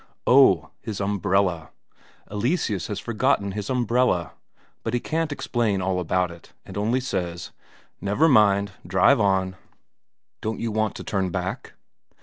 Oh, his umbrella! Eleseus has forgotten his umbrella; but he can't explain all about it, and only says: "Never mind, drive on." "Don't you want to turn back?"